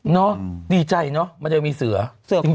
เนอะอือดีใจเนอะมันจะมีเสือเชื่อโคกง